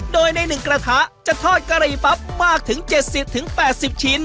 โดยในหนึ่งกระทะจะทอดกะหรี่ปั๊บมากถึงเจ็ดสิบถึงแปดสิบชิ้น